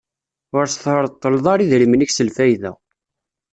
Ur s-treṭṭleḍ ara idrimen-ik s lfayda.